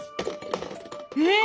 え！？